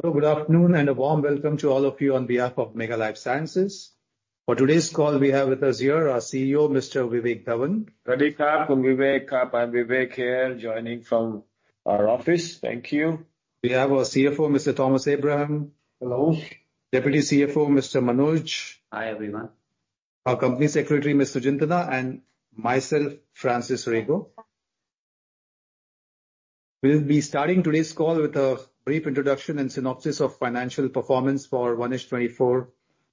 Hello, good afternoon, and a warm welcome to all of you on behalf of Mega Lifesciences. For today's call, we have with us here our CEO, Mr. Vivek Dhawan. Hello, I'm Vivek. I'm Vivek here, joining from our office. Thank you. We have our CFO, Mr. Thomas Abraham. Hello. Deputy CFO, Mr. Manoj. Hi, everyone. Our Company Secretary, Ms. Sujintana Boonworapat, and myself, Francis Rego. We'll be starting today's call with a brief introduction and synopsis of financial performance for 1H24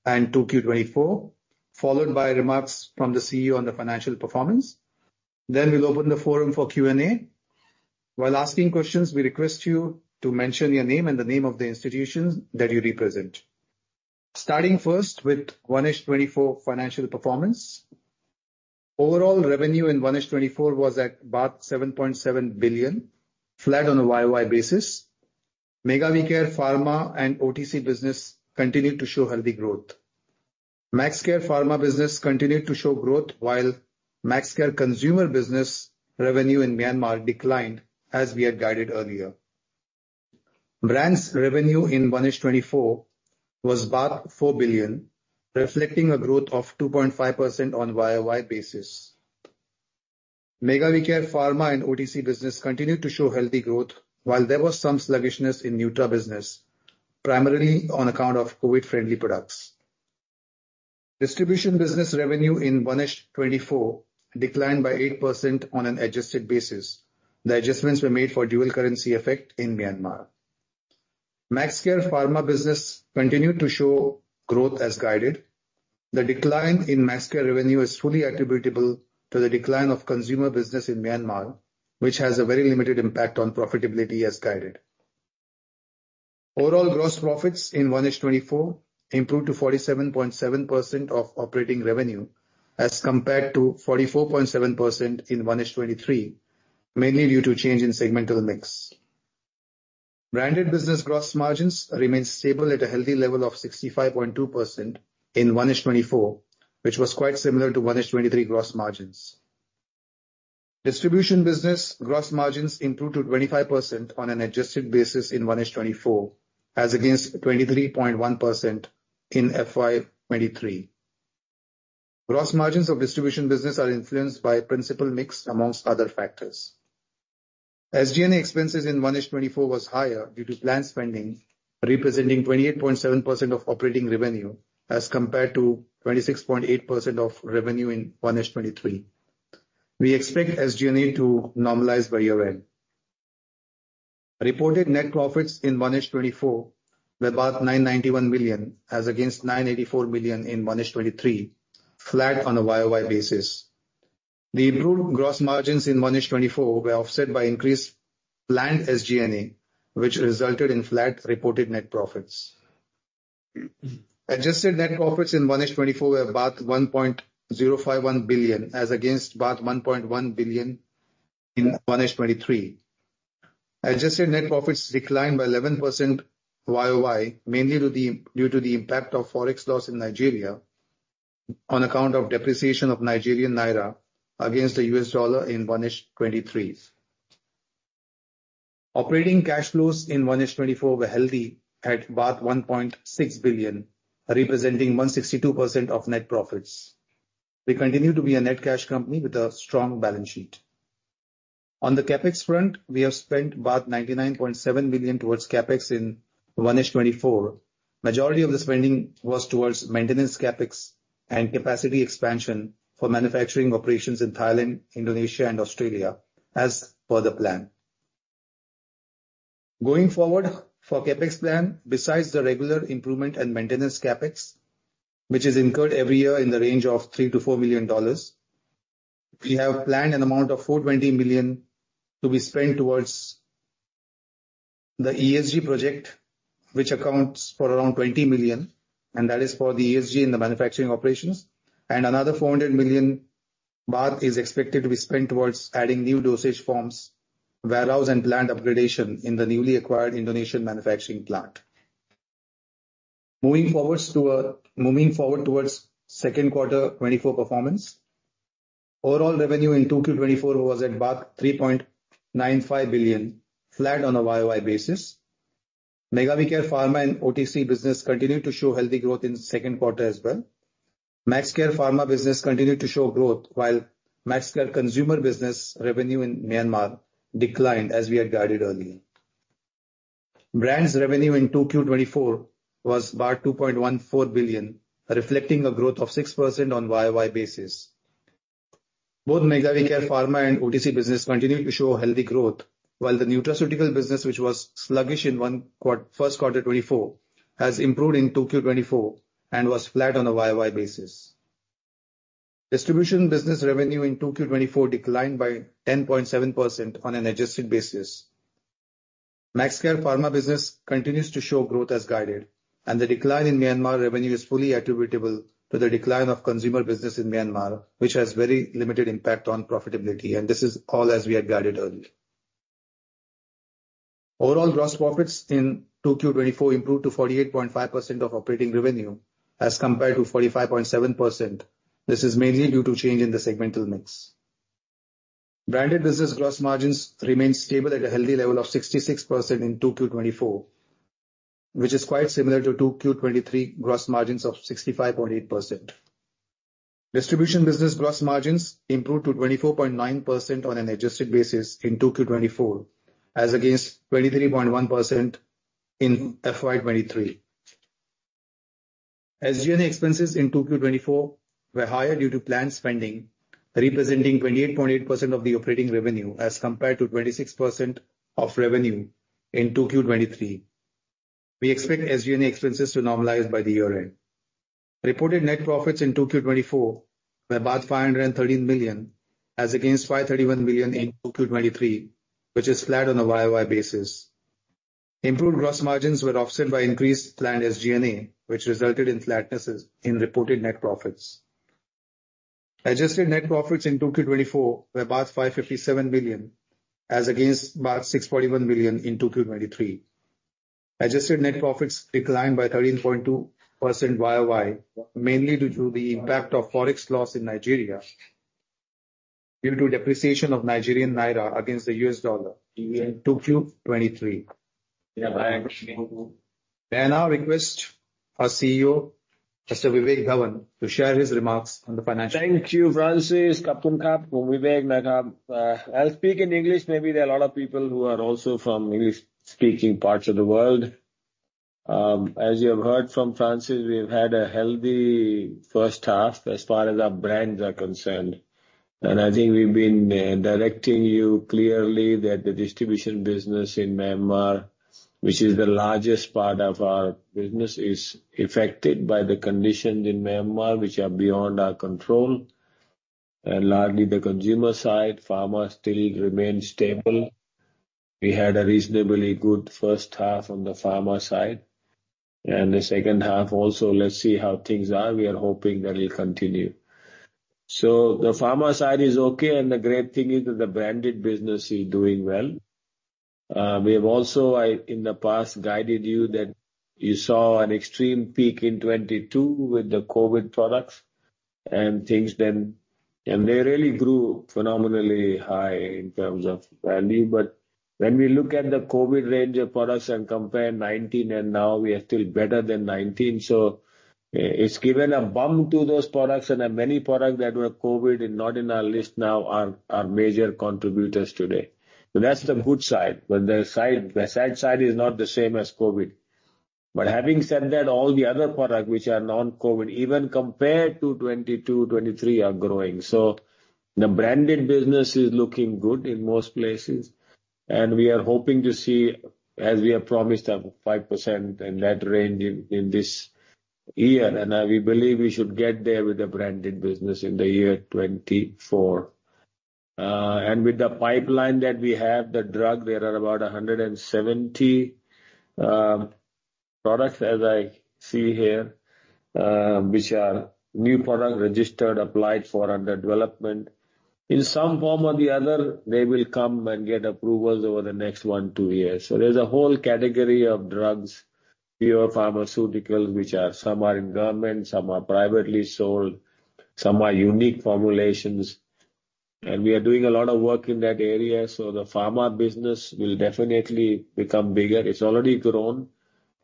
and 2Q24, followed by remarks from the CEO on the financial performance. Then we'll open the forum for Q&A. While asking questions, we request you to mention your name and the name of the institution that you represent. Starting first with 1H24 financial performance. Overall revenue in 1H24 was at 7.7 billion, flat on a YoY basis. Mega We Care Pharma and OTC business continued to show healthy growth. Maxxcare Pharma business continued to show growth, while Maxxcare consumer business revenue in Myanmar declined, as we had guided earlier. Brands revenue in 1H24 was 4 billion, reflecting a growth of 2.5% on YoY basis. Mega We Care Pharma and OTC business continued to show healthy growth, while there was some sluggishness in Nutra business, primarily on account of COVID-friendly products. Distribution business revenue in 1H24 declined by 8% on an adjusted basis. The adjustments were made for dual currency effect in Myanmar. Maxxcare Pharma business continued to show growth as guided. The decline in Maxxcare revenue is fully attributable to the decline of consumer business in Myanmar, which has a very limited impact on profitability as guided. Overall, gross profits in 1H24 improved to 47.7% of operating revenue, as compared to 44.7% in 1H23, mainly due to change in segmental mix. Branded business gross margins remained stable at a healthy level of 65.2% in 1H24, which was quite similar to 1H23 gross margins. Distribution business gross margins improved to 25% on an adjusted basis in 1H 2024, as against 23.1% in FY 2023. Gross margins of distribution business are influenced by principal mix, among other factors. SG&A expenses in 1H 2024 was higher due to planned spending, representing 28.7% of operating revenue, as compared to 26.8% of revenue in 1H 2023. We expect SG&A to normalize by year-end. Reported net profits in 1H 2024 were 991 million, as against 984 million in 1H 2023, flat on a YoY basis. The improved gross margins in 1H 2024 were offset by increased planned SG&A, which resulted in flat reported net profits. Adjusted net profits in 1H24 were 1.051 billion, as against 1.1 billion in 1H23. Adjusted net profits declined by 11% YoY, mainly due to the impact of Forex loss in Nigeria on account of depreciation of Nigerian naira against the US dollar in 1H23. Operating cash flows in 1H24 were healthy at 1.6 billion, representing 162% of net profits. We continue to be a net cash company with a strong balance sheet. On the CapEx front, we have spent 99.7 million towards CapEx in 1H24. Majority of the spending was towards maintenance CapEx and capacity expansion for manufacturing operations in Thailand, Indonesia, and Australia, as per the plan. Going forward for CapEx plan, besides the regular improvement and maintenance CapEx, which is incurred every year in the range of $3 million-$4 million, we have planned an amount of 420 million to be spent towards the ESG project, which accounts for around 20 million, and that is for the ESG in the manufacturing operations. Another 400 million baht is expected to be spent towards adding new dosage forms, warehouse, and plant upgradation in the newly acquired Indonesian manufacturing plant. Moving forward towards second quarter 2024 performance. Overall revenue in 2Q24 was at 3.95 billion, flat on a YOY basis. Mega We Care Pharma and OTC business continued to show healthy growth in the second quarter as well. Maxxcare Pharma business continued to show growth, while Maxxcare consumer business revenue in Myanmar declined, as we had guided earlier. Brands revenue in 2Q24 was 2.14 billion, reflecting a growth of 6% on YoY basis. Both Mega We Care Pharma and OTC business continued to show healthy growth, while the nutraceutical business, which was sluggish in 1Q24, has improved in 2Q24 and was flat on a YoY basis. Distribution business revenue in 2Q24 declined by 10.7% on an adjusted basis. Maxxcare Pharma business continues to show growth as guided, and the decline in Myanmar revenue is fully attributable to the decline of consumer business in Myanmar, which has very limited impact on profitability, and this is all as we had guided earlier. Overall gross profits in 2Q24 improved to 48.5% of operating revenue, as compared to 45.7%. This is mainly due to change in the segmental mix.... Branded business gross margins remained stable at a healthy level of 66% in 2Q24, which is quite similar to 2Q23 gross margins of 65.8%. Distribution business gross margins improved to 24.9% on an adjusted basis in 2Q24, as against 23.1% in FY23. SG&A expenses in 2Q24 were higher due to planned spending, representing 28.8% of the operating revenue, as compared to 26% of revenue in 2Q23. We expect SG&A expenses to normalize by the year-end. Reported net profits in 2Q24 were about 513 million, as against 531 million in 2Q23, which is flat on a YoY basis. Improved gross margins were offset by increased planned SG&A, which resulted in flatness in reported net profits. Adjusted net profits in 2Q24 were about 557 million, as against about 641 million in 2Q23. Adjusted net profits declined by 13.2% YoY, mainly due to the impact of Forex loss in Nigeria due to depreciation of Nigerian naira against the US dollar in 2Q23. I now request our CEO, Mr. Vivek Dhawan, to share his remarks on the financial- Thank you, Francis. Khob khun krap, Vivek Dhawan. I'll speak in English, maybe there are a lot of people who are also from English-speaking parts of the world. As you have heard from Francis, we've had a healthy first half as far as our brands are concerned. And I think we've been directing you clearly that the distribution business in Myanmar, which is the largest part of our business, is affected by the conditions in Myanmar, which are beyond our control. And largely, the consumer side, pharma still remains stable. We had a reasonably good first half on the pharma side, and the second half also, let's see how things are. We are hoping that it'll continue. So the pharma side is okay, and the great thing is that the branded business is doing well. We have also, in the past, guided you that you saw an extreme peak in 2022 with the COVID products and things then, and they really grew phenomenally high in terms of value. But when we look at the COVID range of products and compare 2019 and now, we are still better than 2019. So it's given a bump to those products, and many products that were COVID and not in our list now are major contributors today. So that's the good side. But the sad side is not the same as COVID. But having said that, all the other products which are non-COVID, even compared to 2022, 2023, are growing. So the branded business is looking good in most places, and we are hoping to see, as we have promised, a 5% and that range in this year. And we believe we should get there with the branded business in the year 2024. And with the pipeline that we have, the drug, there are about 170 products, as I see here, which are new products registered, applied for, under development. In some form or the other, they will come and get approvals over the next one, two years. So there's a whole category of drugs, pure pharmaceuticals, which are—some are in government, some are privately sold, some are unique formulations, and we are doing a lot of work in that area. So the pharma business will definitely become bigger. It's already grown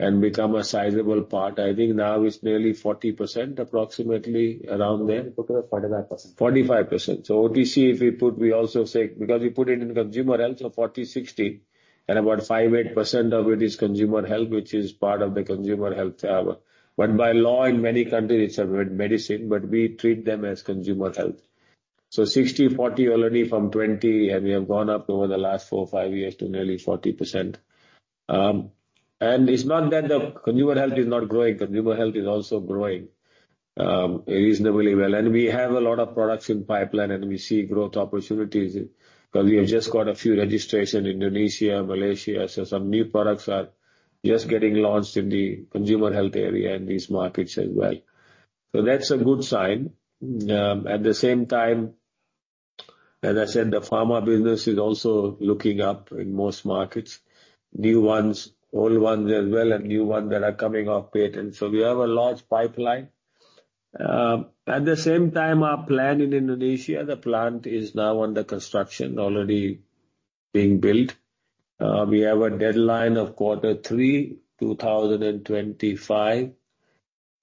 and become a sizable part. I think now it's nearly 40%, approximately, around there. Forty-five percent. 45%. So OTC, if we put, we also say, because we put it in consumer health, so 40/60, and about 5-8% of it is consumer health, which is part of the consumer health. But by law, in many countries, it's a medicine, but we treat them as consumer health. So 60/40, already from 20, and we have gone up over the last 4-5 years to nearly 40%. And it's not that the consumer health is not growing. Consumer health is also growing, reasonably well. And we have a lot of products in pipeline, and we see growth opportunities, because we have just got a few registrations in Indonesia, Malaysia. So some new products are just getting launched in the consumer health area in these markets as well. So that's a good sign. At the same time, as I said, the pharma business is also looking up in most markets, new ones, old ones as well, and new ones that are coming off patent. So we have a large pipeline. At the same time, our plant in Indonesia, the plant is now under construction, already being built. We have a deadline of quarter three, 2025,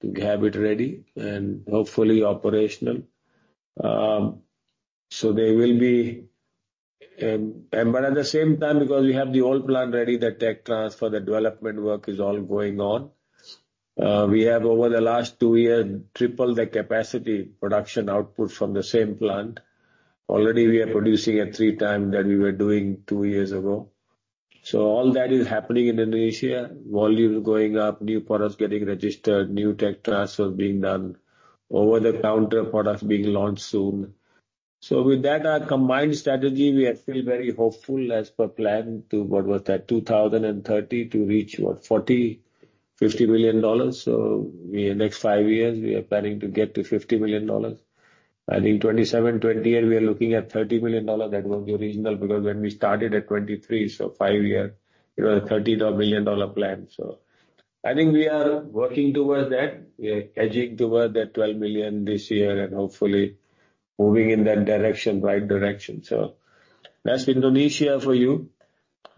to have it ready and hopefully operational. So there will be... and but at the same time, because we have the old plant ready, the tech transfer, the development work is all going on. We have, over the last two years, tripled the capacity production output from the same plant. Already, we are producing at three times than we were doing two years ago. So all that is happening in Indonesia, volumes going up, new products getting registered, new tech transfers being done, over-the-counter products being launched soon. So with that, our combined strategy, we are still very hopeful as per plan to, what was that? 2030 to reach, what, $40-$50 million. So in the next five years, we are planning to get to $50 million. I think 2027, 2028, we are looking at $30 million. That was the original, because when we started at 2023, so five years, it was a $30 million plan, so-... I think we are working towards that. We are edging toward that $12 million this year and hopefully moving in that direction, right direction. So that's Indonesia for you.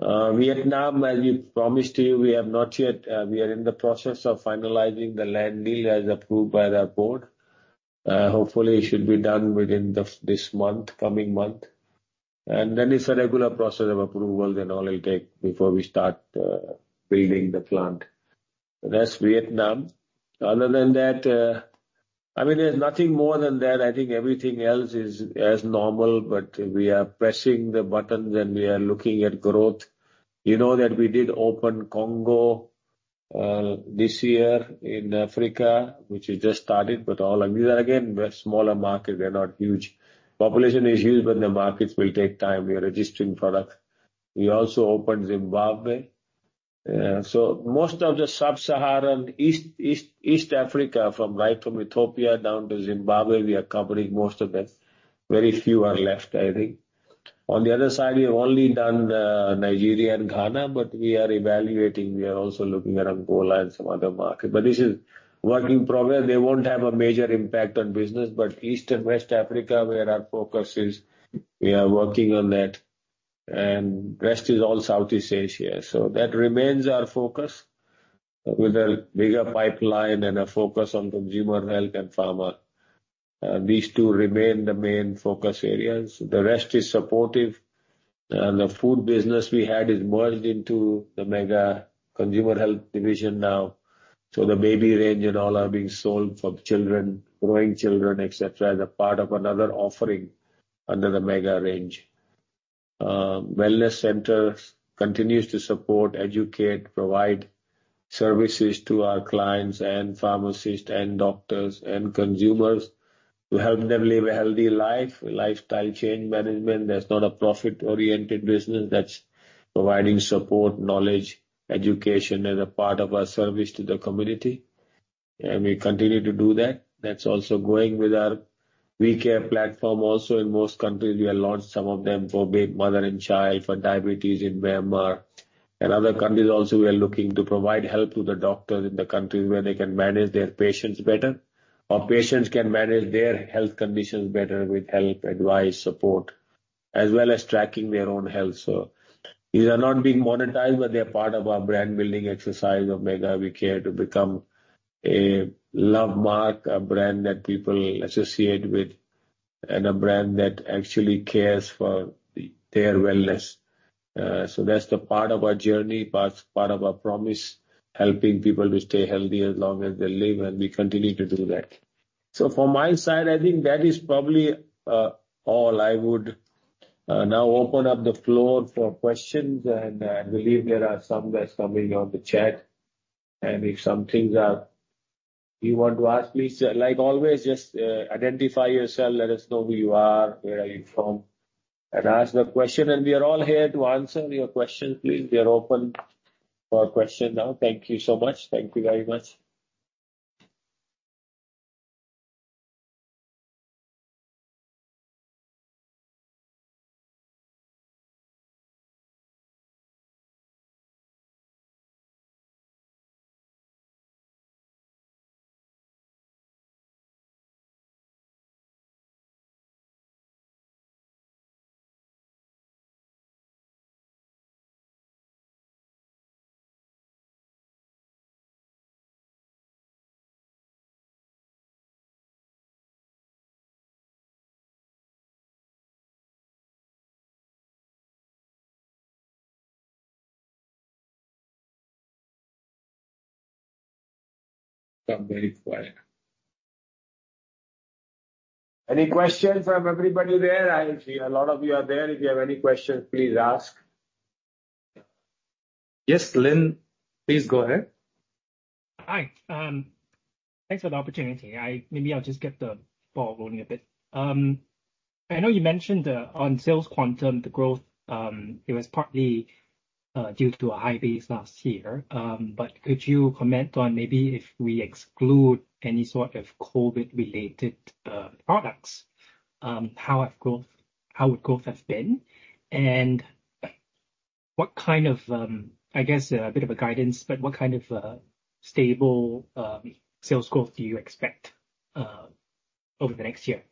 Vietnam, as we promised you, we have not yet, we are in the process of finalizing the land deal as approved by our board. Hopefully, it should be done within this month, coming month. And then it's a regular process of approval and all it'll take before we start, building the plant. That's Vietnam. Other than that, I mean, there's nothing more than that. I think everything else is as normal, but we are pressing the buttons, and we are looking at growth. You know that we did open Congo, this year in Africa, which we just started, but all and these are, again, we're smaller market. We are not huge. Population is huge, but the markets will take time. We are registering product. We also opened Zimbabwe. So most of the Sub-Saharan East Africa, from Ethiopia down to Zimbabwe, we are covering most of it. Very few are left, I think. On the other side, we have only done Nigeria and Ghana, but we are evaluating. We are also looking at Angola and some other market. But this is work in progress. They won't have a major impact on business, but East and West Africa, where our focus is, we are working on that, and rest is all Southeast Asia. So that remains our focus with a bigger pipeline and a focus on consumer health and pharma. These two remain the main focus areas. The rest is supportive, and the food business we had is merged into the Mega Consumer Health division now. So the Baby range and all are being sold for children, growing children, et cetera, as a part of another offering under the Mega range. Wellness centers continues to support, educate, provide services to our clients and pharmacists and doctors and consumers to help them live a healthy life, lifestyle change management. That's not a profit-oriented business. That's providing support, knowledge, education, as a part of our service to the community, and we continue to do that. That's also going with our WeCare platform also in most countries. We have launched some of them for mother and child, for diabetes in Myanmar. In other countries also, we are looking to provide help to the doctors in the countries where they can manage their patients better or patients can manage their health conditions better with help, advice, support, as well as tracking their own health. So these are not being monetized, but they're part of our brand building exercise of Mega We Care to become a Lovemark, a brand that people associate with and a brand that actually cares for their wellness. So that's the part of our journey, part, part of our promise, helping people to stay healthy as long as they live, and we continue to do that. So from my side, I think that is probably all. I would now open up the floor for questions, and I believe there are some that's coming on the chat. And if some things are you want to ask, please, like always, just identify yourself, let us know who you are, where are you from, and ask the question, and we are all here to answer your questions. Please, we are open for question now. Thank you so much. Thank you very much. Very quiet. Any questions from everybody there? I see a lot of you are there. If you have any questions, please ask. Yes, Lynn, please go ahead. Hi. Thanks for the opportunity. Maybe I'll just get the ball rolling a bit. I know you mentioned on sales quantum, the growth, it was partly due to a high base last year. But could you comment on maybe if we exclude any sort of COVID-related products, how would growth have been? And what kind of—I guess, a bit of a guidance, but what kind of a stable sales growth do you expect over the next year?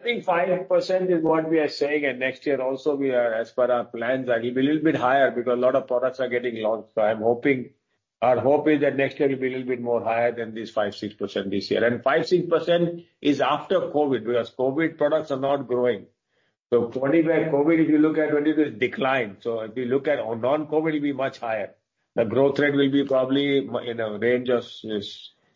I think 5% is what we are saying, and next year also we are, as per our plans, that it'll be a little bit higher because a lot of products are getting launched. So I'm hoping, our hope is that next year will be a little bit more higher than this 5-6% this year. And 5-6% is after COVID, because COVID products are not growing. So 25 COVID, if you look at it, it will decline. So if you look at on non-COVID, it will be much higher. The growth rate will be probably in a range of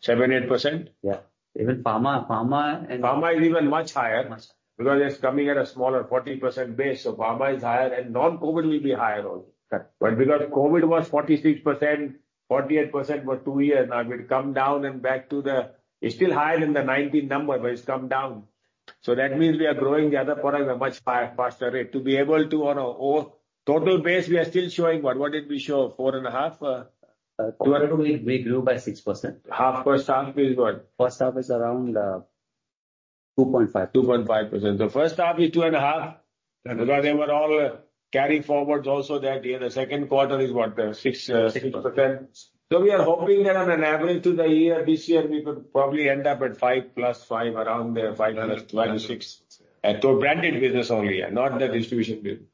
7-8%? Yeah. Even pharma, pharma and- Pharma is even much higher- Much higher. because it's coming at a smaller 14% base, so pharma is higher, and non-COVID will be higher also. Okay. But because COVID was 46%, 48% for two years, now it will come down and back to the... It's still higher than the 2019 number, but it's come down. So that means we are growing the other products at a much higher, faster rate. To be able to on a whole total base, we are still showing what? What did we show, 4.5? We grew by 6%. First half is what? First half is around five- ...2.5. 2.5%. The first half is 2.5, because they were all carrying forwards also that year. The second quarter is what? 6, 6%. Six percent. We are hoping that on an average through the year, this year, we could probably end up at 5+, 5 around there, 5+, 5-6. Yes. And so branded business only, yeah, not the distribution business.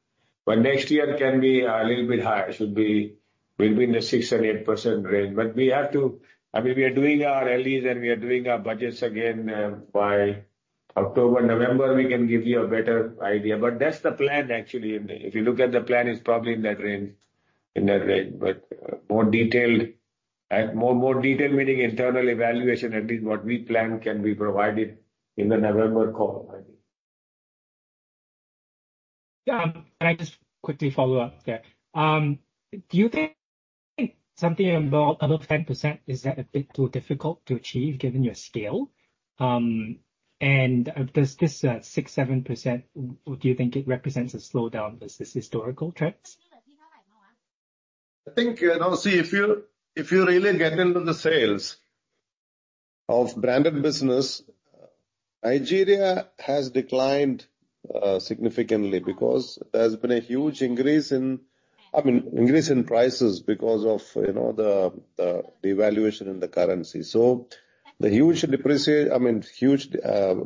But next year can be a little bit higher. Should be, will be in the 6%-8% range. But we have to... I mean, we are doing our analyses, and we are doing our budgets again, by October. November, we can give you a better idea. But that's the plan, actually. If you look at the plan, it's probably in that range, in that range. But more detailed, meaning internal evaluation, at least what we plan, can be provided in the November call, I think. Yeah. Can I just quickly follow up there? Do you think something above 10%, is that a bit too difficult to achieve, given your scale? And does this 6%-7%, do you think it represents a slowdown versus historical trends? I think, you know, see, if you, if you really get into the sales of branded business, Nigeria has declined significantly because there's been a huge increase in, I mean, increase in prices because of, you know, the, the devaluation in the currency. So the huge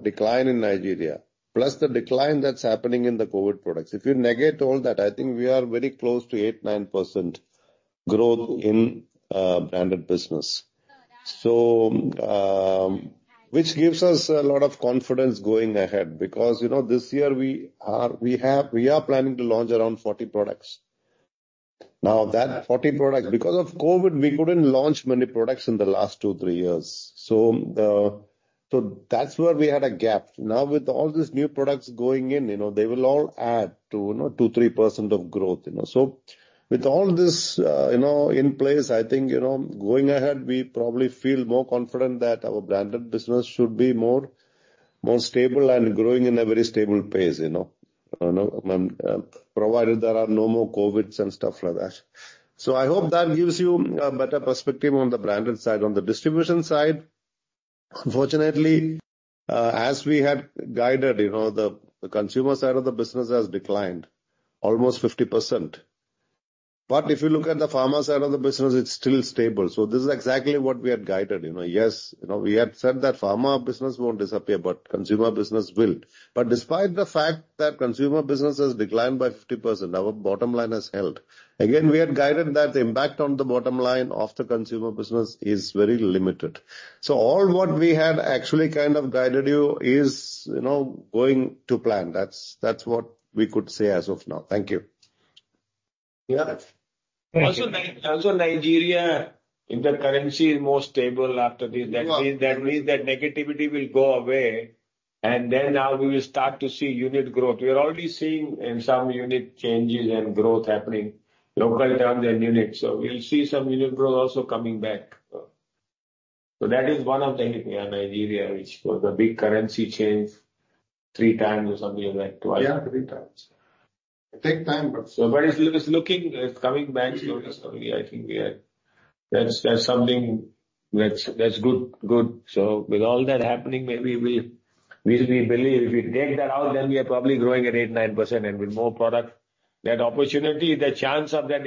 decline in Nigeria, plus the decline that's happening in the COVID products. If you negate all that, I think we are very close to 8%-9% growth in branded business. So, which gives us a lot of confidence going ahead, because, you know, this year we are, we have-- we are planning to launch around 40 products. Now, that 40 products, because of COVID, we couldn't launch many products in the last 2-3 years, so the... So that's where we had a gap. Now, with all these new products going in, you know, they will all add to, you know, 2-3% of growth, you know. So with all this, you know, in place, I think, you know, going ahead, we probably feel more confident that our branded business should be more, more stable and growing in a very stable pace, you know, provided there are no more COVIDs and stuff like that. So I hope that gives you a better perspective on the branded side. On the distribution side, unfortunately, as we had guided, you know, the, the consumer side of the business has declined almost 50%. But if you look at the pharma side of the business, it's still stable. So this is exactly what we had guided, you know. Yes, you know, we had said that pharma business won't disappear, but consumer business will. But despite the fact that consumer business has declined by 50%, our bottom line has held. Again, we had guided that the impact on the bottom line of the consumer business is very limited. So all what we had actually kind of guided you is, you know, going to plan. That's, that's what we could say as of now. Thank you. Yeah? Also, also Nigeria, if the currency is more stable after this- Yeah. That means, that means that negativity will go away, and then now we will start to see unit growth. We are already seeing in some unit changes and growth happening, local terms and units, so we'll see some unit growth also coming back. So that is one of the thing, yeah, Nigeria, which was a big currency change, three times or something like twice. Yeah, 3 times. It take time, but- But it's looking, it's coming back slowly, slowly. I think we are... That's something that's good. So with all that happening, maybe we believe if we take that out, then we are probably growing at 8, 9%. And with more products, that opportunity, the chance of that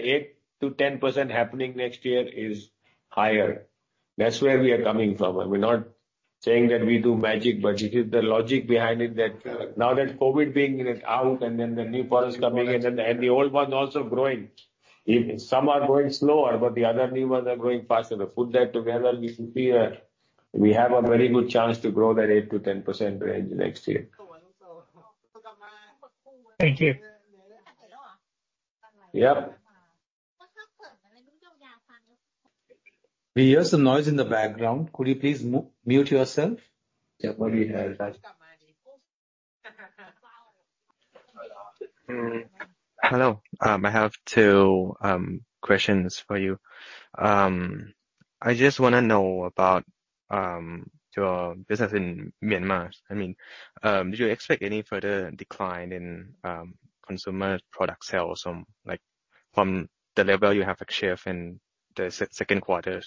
8%-10% happening next year is higher. That's where we are coming from. And we're not saying that we do magic, but it is the logic behind it, that now that COVID being is out and then the new products coming in, and the old one also growing. If some are growing slower, but the other new ones are growing faster. So put that together, we should see—we have a very good chance to grow that 8%-10% range next year. Thank you. Yeah. We hear some noise in the background. Could you please mute yourself? Yeah, we have that. Hello. I have two questions for you. I just wanna know about your business in Myanmar. I mean, do you expect any further decline in consumer product sales from, like, from the level you have achieved in the second quarter?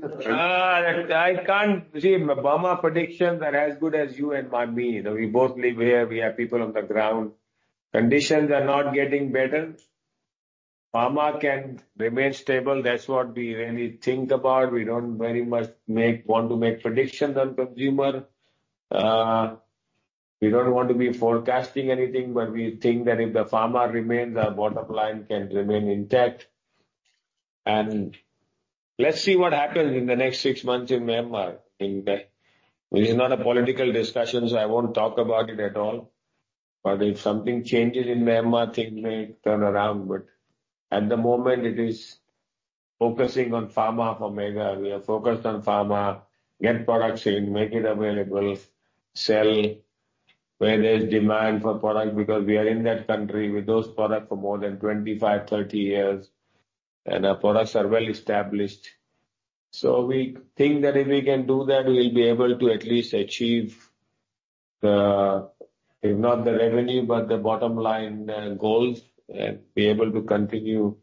See, Myanmar predictions are as good as you and me. We both live here, we have people on the ground. Conditions are not getting better. Pharma can remain stable. That's what we really think about. We don't very much want to make predictions on consumer. We don't want to be forecasting anything, but we think that if the pharma remains, our bottom line can remain intact. Let's see what happens in the next six months in Myanmar. This is not a political discussion, so I won't talk about it at all, but if something changes in Myanmar, things may turn around. But at the moment, it is focusing on pharma for Mega. We are focused on pharma, get products in, make it available, sell where there's demand for product, because we are in that country with those products for more than 25, 30 years, and our products are well established. So we think that if we can do that, we'll be able to at least achieve-... if not the revenue, but the bottom line, goals, and be able to continue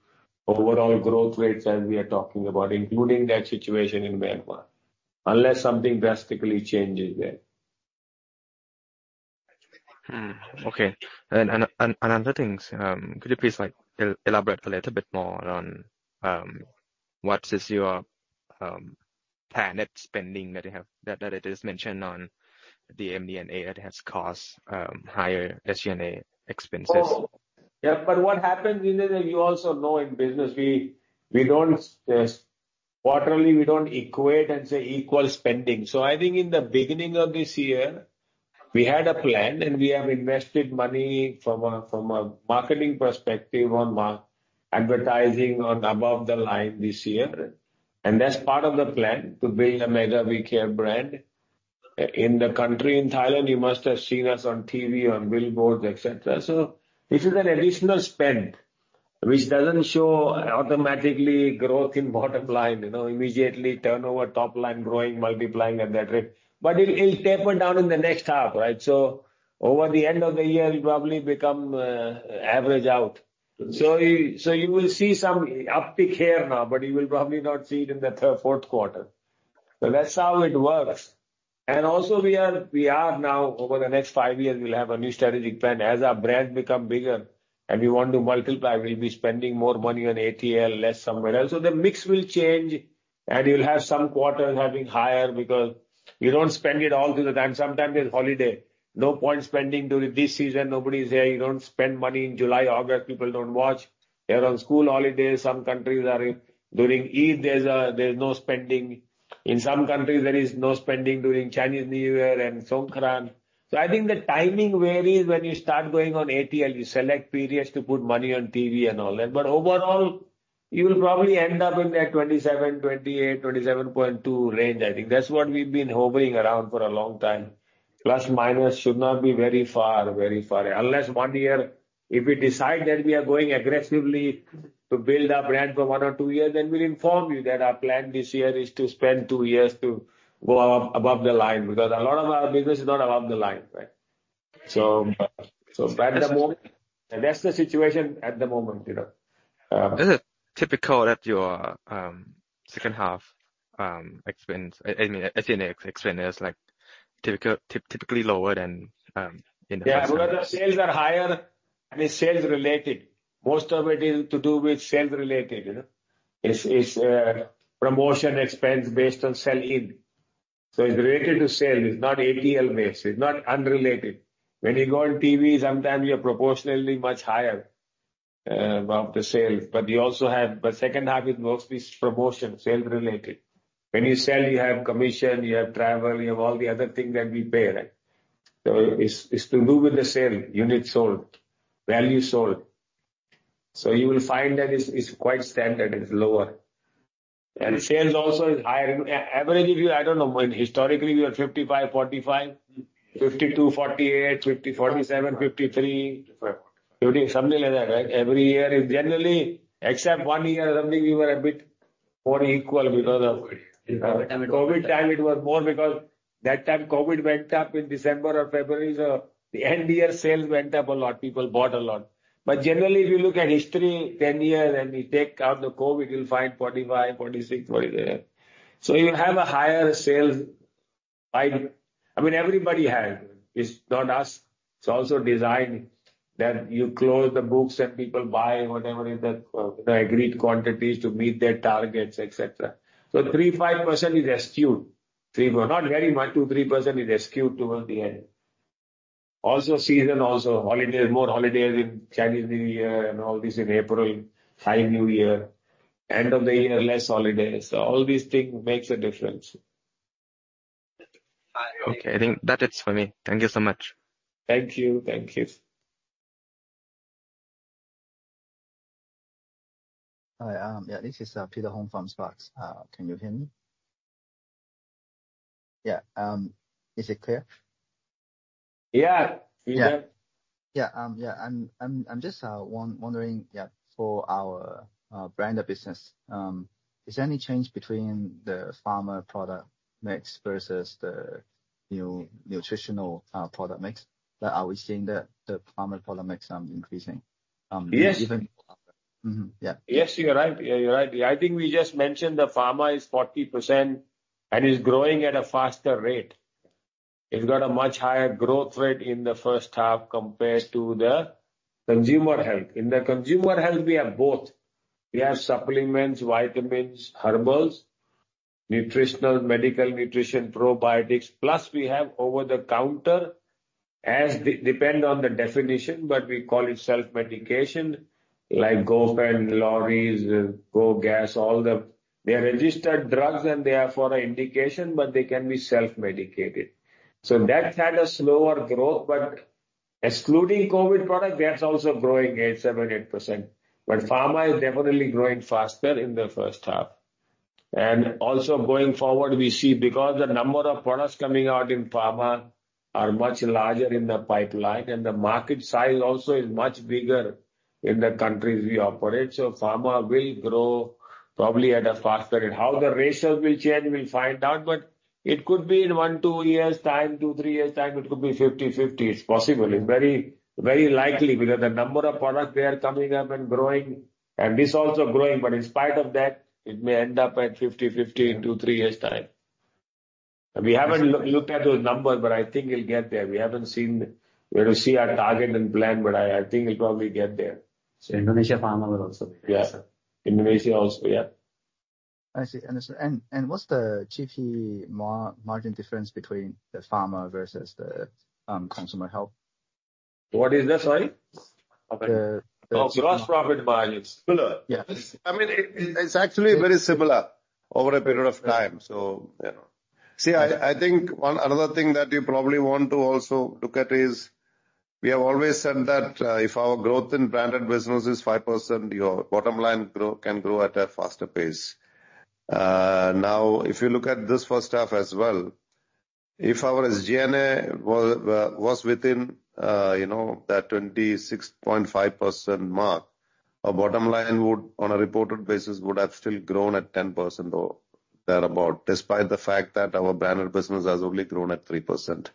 overall growth rates as we are talking about, including that situation in Myanmar, unless something drastically changes there. Okay. And another thing, could you please, like, elaborate a little bit more on what is your planned spending that you have, that it is mentioned on the MD&A that has caused higher SG&A expenses? Oh, yeah, but what happens, Vinay? You also know in business, we don't quarterly equate and say equal spending. So I think in the beginning of this year, we had a plan, and we have invested money from a marketing perspective on advertising on above the line this year. And that's part of the plan to build a Mega We Care brand. In the country, in Thailand, you must have seen us on TV, on billboards, et cetera. So this is an additional spend, which doesn't show automatically growth in bottom line, you know, immediately turnover, top line growing, multiplying at that rate. But it'll taper down in the next half, right? So over the end of the year, it'll probably become average out. So you will see some uptick here now, but you will probably not see it in the third quarter. So that's how it works. And also, we are now, over the next five years, we'll have a new strategic plan. As our brand become bigger and we want to multiply, we'll be spending more money on ATL, less somewhere else. So the mix will change, and you'll have some quarters having higher because you don't spend it all through the time. Sometimes there's holiday. No point spending during this season. Nobody's here. You don't spend money in July, August. People don't watch. They're on school holidays. Some countries are in... During Eid, there's no spending. In some countries, there is no spending during Chinese New Year and Songkran. So I think the timing varies when you start going on ATL. You select periods to put money on TV and all that, but overall, you'll probably end up in that 27%-28%, 27.2% range, I think. That's what we've been hovering around for a long time. Plus or minus should not be very far, very far. Unless one year, if we decide that we are going aggressively to build our brand for one or two years, then we'll inform you that our plan this year is to spend two years to go above the line. Because a lot of our business is not above the line, right? So, so at the moment. And that's the situation at the moment, you know. Is it typical that your second half expense, I mean, SG&A expense is, like, typically lower than in the first half? Yeah, where the sales are higher, I mean, sales related. Most of it is to do with sales related, you know? It's, it's, promotion expense based on sell-in. So it's related to sales. It's not ATL based. It's not unrelated. When you go on TV, sometimes you are proportionally much higher above the sales, but you also have... But second half is mostly promotion, sales related. When you sell, you have commission, you have travel, you have all the other things that we pay, right? So it's, it's to do with the sale, units sold, value sold. So you will find that it's, it's quite standard, it's lower. And sales also is higher. On average, if you... I don't know, historically, we are 55, 45, 52, 48, 50, 47, 53. Right. Something like that, right? Every year, generally, except one year or something, we were a bit more equal because of- Yeah. the COVID time, it was more because that time COVID went up in December or February, so the end year sales went up a lot. People bought a lot. But generally, if you look at history, 10 years, and we take out the COVID, you'll find 45, 46, 47. So you have a higher sales spike. I mean, everybody has. It's not us. It's also designed that you close the books and people buy whatever is the agreed quantities to meet their targets, et cetera. So 3-5% is skewed. 3-4, not very much, 2-3% is skewed towards the end. Also, seasonality also, holiday, more holidays in Chinese New Year and all this in April, Thai New Year. End of the year, less holidays. So all these things makes a difference. Okay. I think that is for me. Thank you so much. Thank you. Thank you. Hi, yeah, this is Peter Hong from SPARX. Can you hear me? Yeah, is it clear? Yeah. Yeah. We hear. Yeah, yeah. I'm just wondering, yeah, for our brand of business, is there any change between the pharma product mix versus the nutritional product mix? That are we seeing the pharma product mix increasing, even- Yes. Mm-hmm. Yeah. Yes, you're right. Yeah, you're right. I think we just mentioned the pharma is 40% and is growing at a faster rate. It's got a much higher growth rate in the first half compared to the consumer health. In the consumer health, we have both. We have supplements, vitamins, herbals, nutritional, medical nutrition, probiotics, plus we have over-the-counter as it depends on the definition, but we call it self-medication, like Gofen, Loraze, GOGAZ, all the... They are registered drugs, and they are for an indication, but they can be self-medicated. So that's had a slower growth, but excluding COVID product, that's also growing at 7%-8%. But pharma is definitely growing faster in the first half. And also, going forward, we see because the number of products coming out in pharma are much larger in the pipeline, and the market size also is much bigger- ... in the countries we operate. So pharma will grow probably at a faster rate. How the ratio will change, we'll find out, but it could be in 1, 2 years' time, 2, 3 years' time, it could be 50/50. It's possible. It's very, very likely, because the number of products they are coming up and growing, and this also growing, but in spite of that, it may end up at 50/50 in 2, 3 years' time. And we haven't looked at those numbers, but I think we'll get there. We haven't seen... We'll see our target and plan, but I think we'll probably get there. So Indonesia pharma will also be- Yeah. Indonesia also, yeah. I see. Understand. And what's the GP margin difference between the pharma versus the consumer health? What is that, sorry? The- Oh, gross profit margin. Similar. Yeah. I mean, it's actually very similar over a period of time. So, you know. See, I think another thing that you probably want to also look at is, we have always said that, if our growth in branded business is 5%, your bottom line can grow at a faster pace. Now, if you look at this first half as well, if our SG&A was within, you know, the 26.5% mark, our bottom line, on a reported basis, would have still grown at 10% or thereabout, despite the fact that our branded business has only grown at 3%.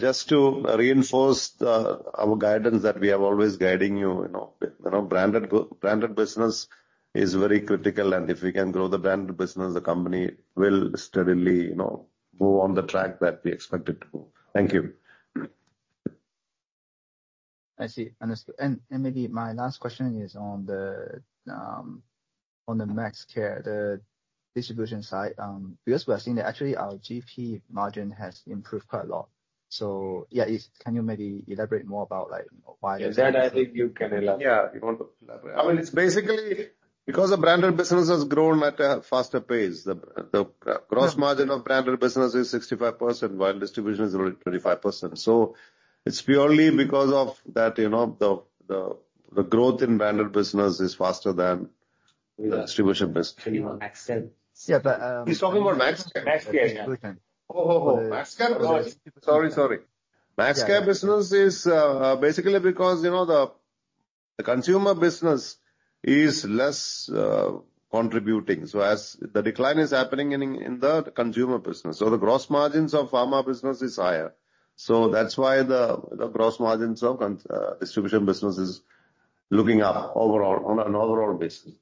Just to reinforce our guidance that we are always guiding you, you know, you know, branded business is very critical, and if we can grow the branded business, the company will steadily, you know, go on the track that we expect it to go. Thank you. I see. Understood. And maybe my last question is on the Maxxcare, the distribution side, because we are seeing that actually our GP margin has improved quite a lot. So yeah, if-- can you maybe elaborate more about, like, why- That, I think you can elaborate. Yeah, you want to elaborate. I mean, it's basically because the branded business has grown at a faster pace. The gross margin of branded business is 65%, while distribution is only 25%. So it's purely because of that, you know, the growth in branded business is faster than the distribution business. MaxCare? Yeah, but, He's talking about Maxxcare. MaxCare. Oh, oh, oh. Maxxcare. Sorry, sorry. Maxxcare business is basically because, you know, the consumer business is less contributing, so as the decline is happening in the consumer business. So the gross margins of pharma business is higher. So that's why the gross margins of distribution business is looking up overall, on an overall basis.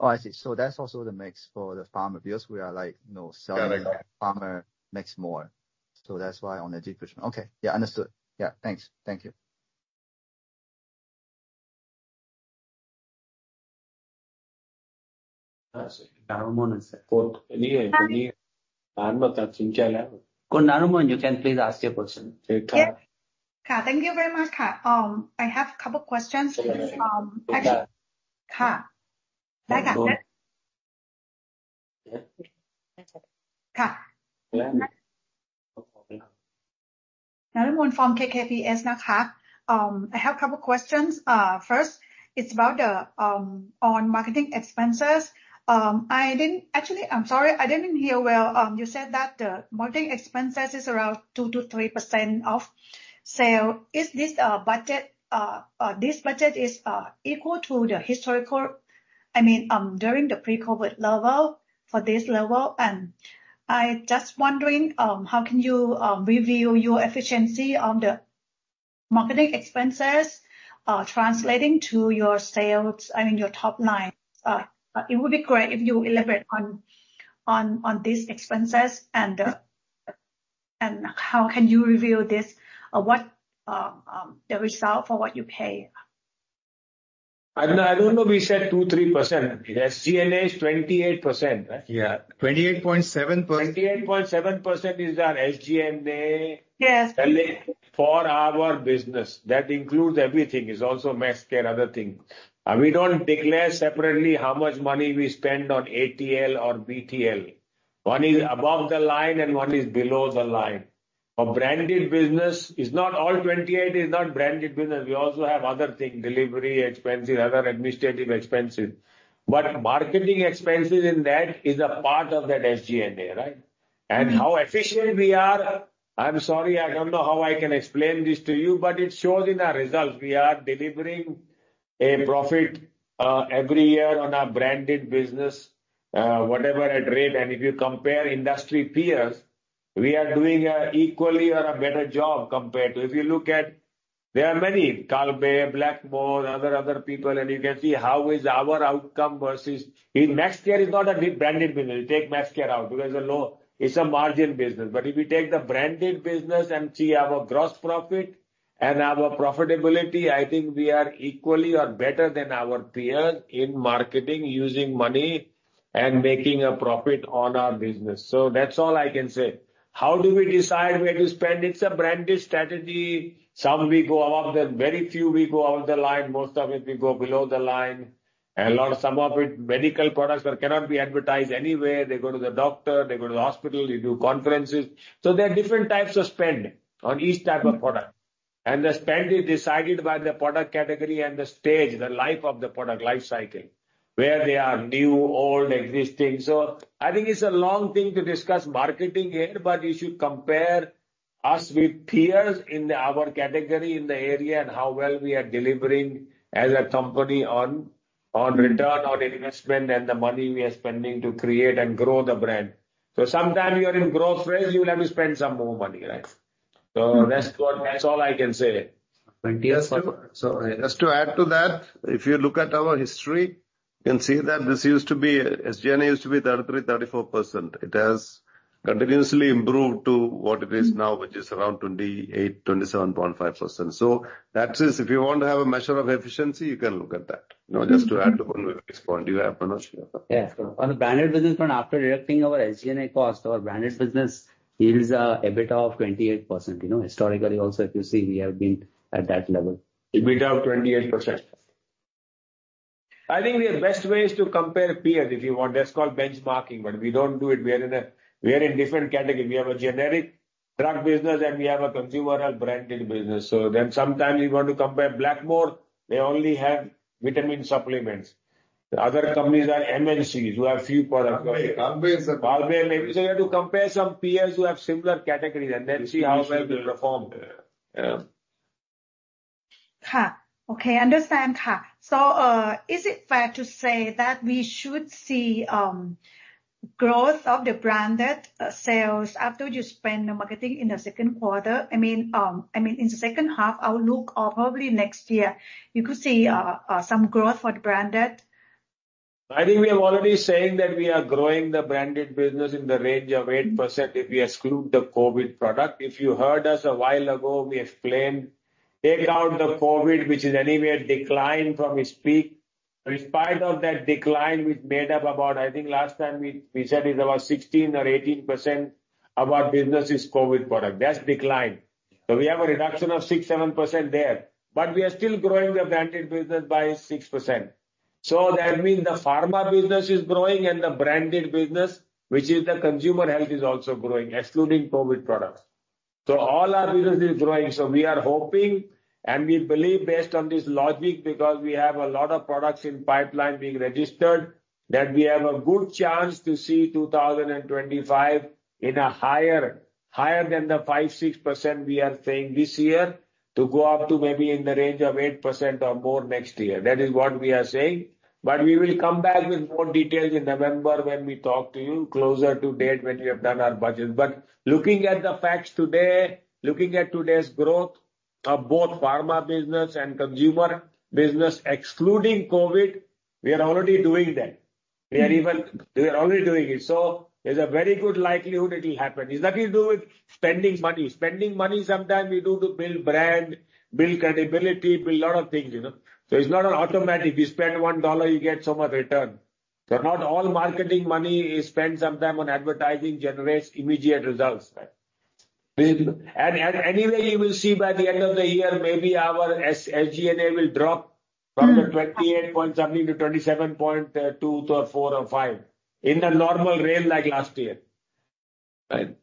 Oh, I see. So that's also the mix for the pharma, because we are like, you know- Correct. Selling pharma mix more. So that's why on the distribution. Okay. Yeah, understood. Yeah. Thanks. Thank you. Yes, Narumon, sir. Go ahead. Hi....... where they are new, old, existing. So I think it's a long thing to discuss marketing here, but you should compare us with peers in our category in the area and how well we are delivering as a company on return on investment and the money we are spending to create and grow the brand. So sometimes you are in growth phase, you will have to spend some more money, right? So that's all I can say. So just to add to that, if you look at our history, you can see that this used to be, SG&A used to be 33%-34%. It has continuously improved to what it is now, which is around 28, 27.5%. So that is if you want to have a measure of efficiency, you can look at that. You know, just to add to Punit's point. Do you have Manoj? Yes. On the branded business front, after deducting our SG&A cost, our branded business yields a beta of 28%. You know, historically also, if you see, we have been at that level. It's beta of 28%. I think the best way is to compare peers, if you want. That's called benchmarking, but we don't do it. We are in a different category. We have a generic drug business, and we have a consumer health branded business. So then sometimes you want to compare Blackmores. They only have vitamin supplements. The other companies are MNCs, who have few products. Compare some- Compare. You have to compare some peers who have similar categories and then see how well we perform. Yeah. Okay, understand. So, is it fair to say that we should see growth of the branded sales after you spend the marketing in the second quarter? I mean, I mean, in the second half outlook or probably next year, you could see some growth for the branded? I think we are already saying that we are growing the branded business in the range of 8% if you exclude the COVID product. If you heard us a while ago, we explained, take out the COVID, which is anyway a decline from its peak. In spite of that decline, we've made up about... I think last time we, we said it's about 16% or 18% of our business is COVID product. That's declined. So we have a reduction of 6%-7% there, but we are still growing the branded business by 6%. So that means the pharma business is growing and the branded business, which is the consumer health, is also growing, excluding COVID products. So all our business is growing, so we are hoping, and we believe based on this logic, because we have a lot of products in pipeline being registered, that we have a good chance to see 2025 in a higher, higher than the 5-6% we are saying this year, to go up to maybe in the range of 8% or more next year. That is what we are saying. But we will come back with more details in November when we talk to you, closer to date, when we have done our budget. But looking at the facts today, looking at today's growth of both pharma business and consumer business, excluding COVID, we are already doing that. We are even- we are already doing it. So there's a very good likelihood it will happen. It's nothing to do with spending money. Spending money, sometimes we do to build brand, build credibility, build a lot of things, you know? So it's not an automatic, you spend one dollar, you get so much return. But not all marketing money is spent. Some time on advertising generates immediate results. And anyway, you will see by the end of the year, maybe our SG&A will drop from the 28-point-something to 27.2 or 27.4 or 27.5, in a normal range like last year. Right.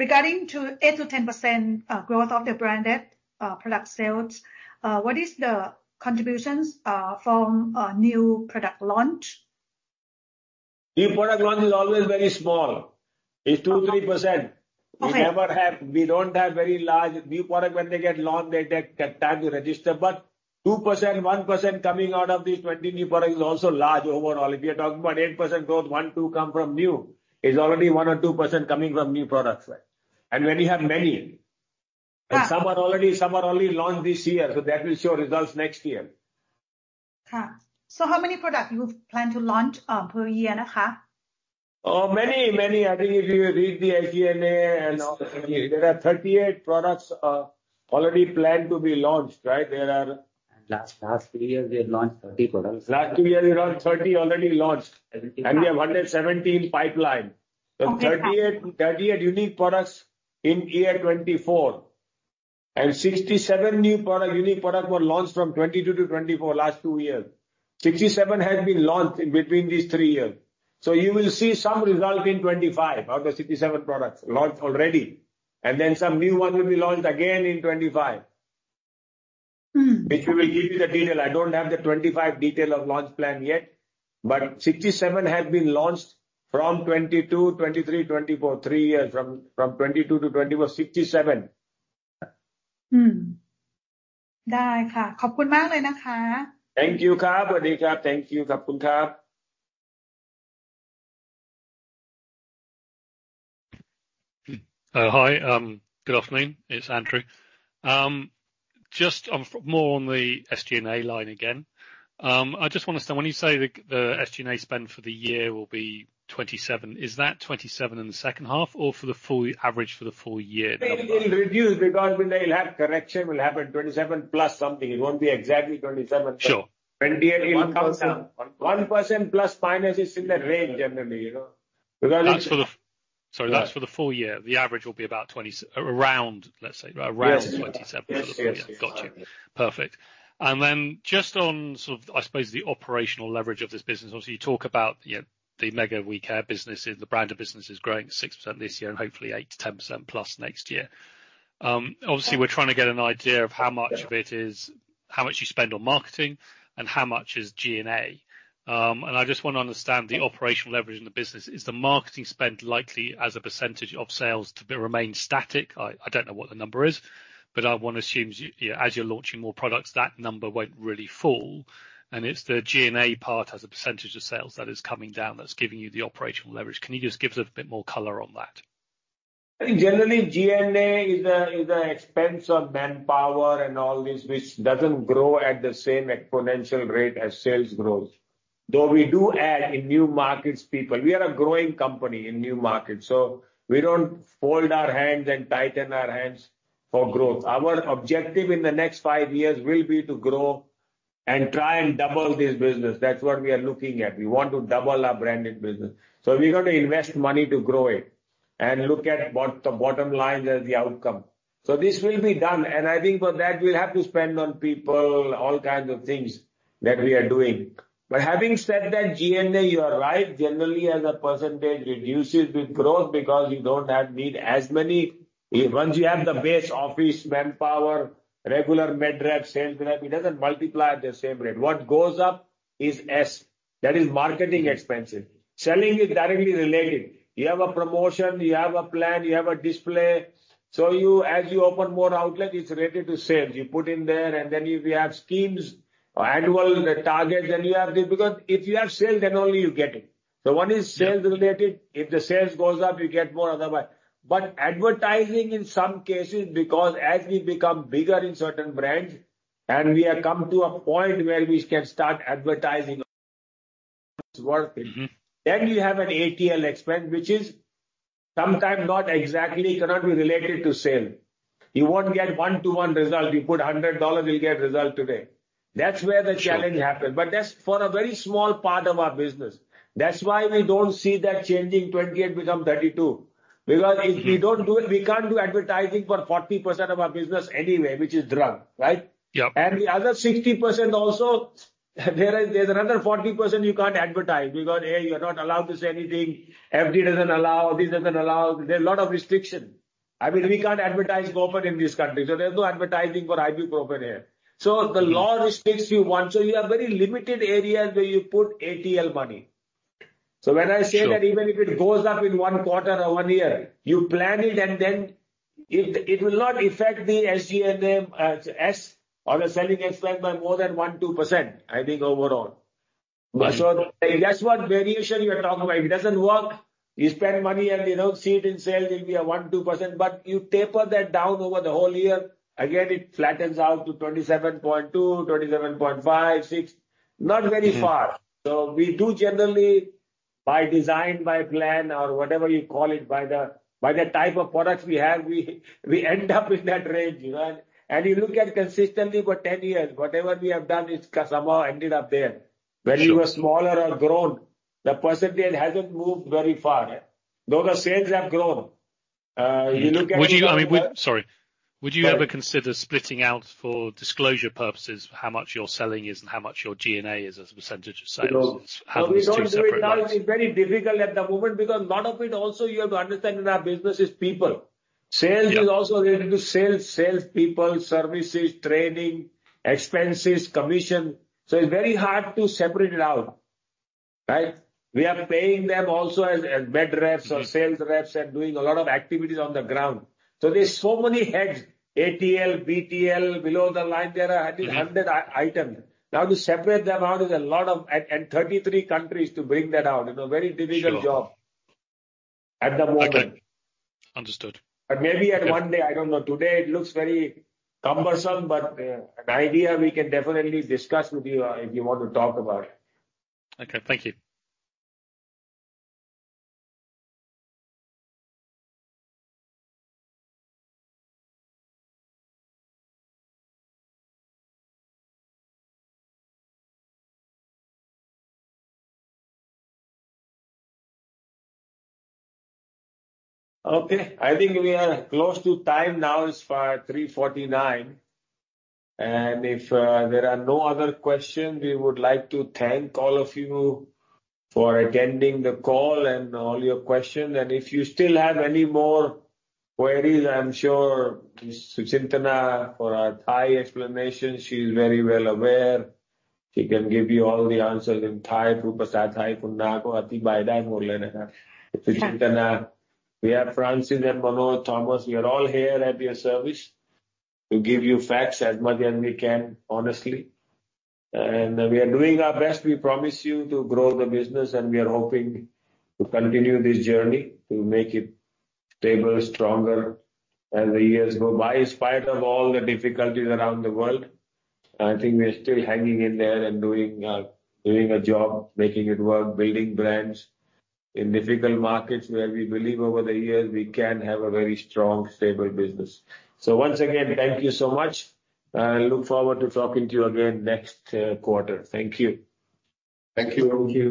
Regarding to 8%-10% growth of the branded product sales, what is the contributions from a new product launch? New product launch is always very small. Okay. It's 2-3%. Okay. We never have—we don't have very large new product. When they get launched, they take the time to register. But 2%, 1% coming out of these 20 new products is also large overall. If you're talking about 8% growth, 1, 2 come from new, is already 1 or 2% coming from new products, right? And when you have many- Ka. Some are only launched this year, so that will show results next year. Ka. So how many products you plan to launch per year, naka? Many, many. I think if you read the IGNA and all, there are 38 products already planned to be launched, right? There are- Last, last 3 years, we have launched 30 products. Last two years, we launched 30 already launched, and we have 117 in pipeline. Okay. So 38, 38 unique products in 2024, and 67 new product, unique product were launched from 2022 to 2024, last two years. 67 have been launched in between these three years. So you will see some result in 2025, of the 67 products launched already, and then some new one will be launched again in 2025. Mm. Which we will give you the detail. I don't have the 2025 detail of launch plan yet, but 67 have been launched from 2022, 2023, 2024, three years, from 2022 to 2024, 67. Mm. Di, ka. Khop khun mak, naka. Thank you, ka. Thank you. Khob khun ka. Hi, good afternoon. It's Andrew. Just on more on the SG&A line again. I just want to understand, when you say the SG&A spend for the year will be 27, is that 27 in the second half or for the full average for the full year? It will reduce because we'll have correction will happen, 27 plus something. It won't be exactly 27. Sure. 28 will come down. One percent. 1% plus minus is in the range generally, you know? Because- That's for the... Sorry, that's for the full year. The average will be about 20s around, let's say, around- Yes... twenty-seven. Yes, yes. Got you. Perfect. And then just on sort of, I suppose, the operational leverage of this business, obviously, you talk about, you know, the Mega We Care business, the branded business is growing 6% this year and hopefully 8%-10%+ next year. Obviously, we're trying to get an idea of how much of it is, how much you spend on marketing and how much is G&A. And I just want to understand the operational leverage in the business. Is the marketing spend likely as a percentage of sales to remain static? I don't know what the number is, but I want to assume as you're launching more products, that number won't really fall, and it's the G&A part as a percentage of sales that is coming down, that's giving you the operational leverage. Can you just give us a bit more color on that? I think generally, G&A is an expense on manpower and all this, which doesn't grow at the same exponential rate as sales grows. Though we do add in new markets, people. We are a growing company in new markets, so we don't fold our hands and tighten our hands for growth. Our objective in the next five years will be to grow and try and double this business. That's what we are looking at. We want to double our branded business. So we're going to invest money to grow it and look at what the bottom line as the outcome. So this will be done, and I think for that, we'll have to spend on people, all kinds of things that we are doing. But having said that, G&A, you are right, generally as a percentage, reduces with growth because you don't need as many... Once you have the base, office, manpower, regular med rep, sales rep, it doesn't multiply at the same rate. What goes up is S. That is marketing expenses. Selling is directly related. You have a promotion, you have a plan, you have a display, so as you open more outlet, it's related to sales. You put in there, and then if you have schemes or annual targets, then you have this. Because if you have sales, then only you get it. So one is sales related. If the sales goes up, you get more otherwise. But advertising, in some cases, because as we become bigger in certain brands and we have come to a point where we can start advertising, it's worth it. Mm-hmm. Then you have an ATL expense, which is sometimes not exactly cannot be related to sales. You won't get one-to-one result. You put $100, you'll get result today. That's where the challenge happens- Sure. But that's for a very small part of our business. That's why we don't see that changing 20, it become 32. Mm-hmm. Because if we don't do it, we can't do advertising for 40% of our business anyway, which is drug, right? Yep. The other 60% also, there's another 40% you can't advertise because, A, you are not allowed to say anything. FDA doesn't allow, this doesn't allow. There are a lot of restrictions. I mean, we can't advertise corporate in this country, so there's no advertising for IP corporate here. So the law restricts you once, so you have very limited areas where you put ATL money. Sure. So when I say that even if it goes up in one quarter or one year, you plan it and then it will not affect the SG&A or the selling expense by more than 1%-2%, I think overall. Sure. But so that's what variation you are talking about. If it doesn't work, you spend money and you don't see it in sales, it'll be a 1-2%, but you taper that down over the whole year, again, it flattens out to 27.2%, 27.5-6%, not very far. Mm-hmm. So we do generally, by design, by plan or whatever you call it, by the type of products we have, we end up in that range, you know? And you look at consistently for 10 years, whatever we have done, it's somehow ended up there. Sure. When you are smaller or grown, the percentage hasn't moved very far, though the sales have grown. You look at- Would you, I mean, sorry. Sorry. Would you ever consider splitting out for disclosure purposes, how much your selling is and how much your G&A is as a percentage of sales? No. Have these two separate lines. No, we don't do it now. It's very difficult at the moment because a lot of it also, you have to understand, in our business is people. Yep. Sales is also related to sales, salespeople, services, training, expenses, commission. So it's very hard to separate it out, right? We are paying them also as, as med reps or sales reps and doing a lot of activities on the ground. So there's so many heads, ATL, BTL, below the line, there are at least 100 items. Now, to separate them out is a lot of... and 33 countries to bring that out, you know, very difficult job- Sure. at the moment. Okay. Understood. Maybe at one day, I don't know. Today it looks very cumbersome, but, an idea we can definitely discuss with you, if you want to talk about it. Okay, thank you. Okay, I think we are close to time now. It's 3:49 P.M., and if there are no other questions, we would like to thank all of you for attending the call and all your questions. And if you still have any more queries, I'm sure Sujintana, for our Thai explanation, she's very well aware. She can give you all the answers in Thai. พูดภาษาไทย คุณได้กว่าที่ไม่พูดเลยนะคะ. Yeah. Sujintana, we have Francis and Manoj, Thomas, we are all here at your service to give you facts as much as we can, honestly. We are doing our best. We promise you to grow the business, and we are hoping to continue this journey to make it stable, stronger as the years go by. In spite of all the difficulties around the world, I think we're still hanging in there and doing a job, making it work, building brands in difficult markets, where we believe over the years we can have a very strong, stable business. So once again, thank you so much, and I look forward to talking to you again next quarter. Thank you. Thank you, everyone.